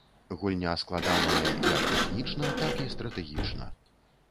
Гульня складаная, як тэхнічна, так і стратэгічна.